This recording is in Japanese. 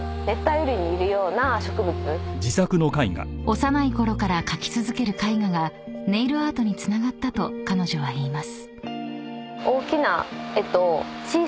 ［幼いころから描き続ける絵画がネイルアートにつながったと彼女は言います］